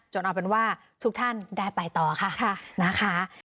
เอาเป็นว่าทุกท่านได้ไปต่อค่ะนะคะ